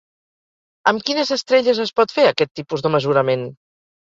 Amb quines estrelles es pot fer aquest tipus de mesurament?